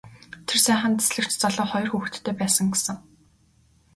Тэр сайхан дэслэгч залуу хоёр хүүхэдтэй байсан гэсэн.